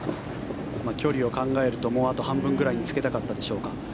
距離を考えるともうあと半分ぐらいにつけたかったでしょうか。